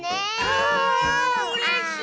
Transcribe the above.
あうれしい！